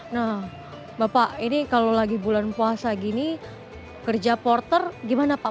nah bapak ini kalau lagi bulan puasa gini kerja porter gimana pak